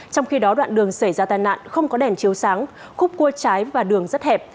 trong khi đó đoạn đường xảy ra tai nạn không có đèn chiếu sáng khúc cua trái và đường rất hẹp